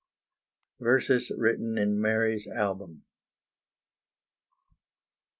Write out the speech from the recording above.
VERSES WRITTEN IN MARY'S ALBUM.